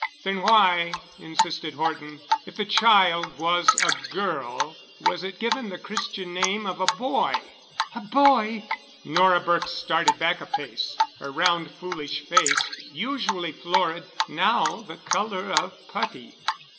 "Then why," insisted Horton, "if the child was a girl, was it given the Christian name of a boy?" "A boy——!" Nora Burke started back a pace, her round foolish face, usually florid, now the color of putty.